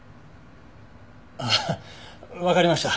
ああわかりました。